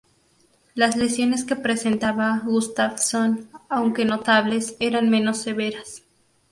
Las lesiones que presentaba Gustafsson, aunque notables, eran menos severas.